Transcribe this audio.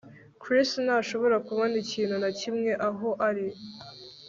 Chris ntashobora kubona ikintu na kimwe aho ari